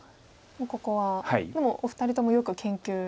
もうここはでもお二人ともよく研究。